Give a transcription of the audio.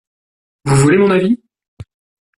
Vous voulez mon avis?